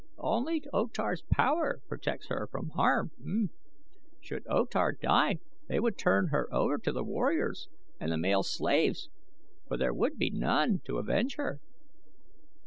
Only O Tar's power protects her now from harm. Should O Tar die they would turn her over to the warriors and the male slaves, for there would be none to avenge her."